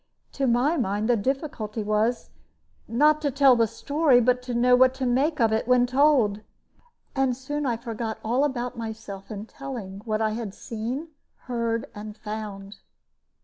To my mind the difficulty was, not to tell the story, but to know what to make of it when told; and soon I forgot all about myself in telling what I had seen, heard, and found.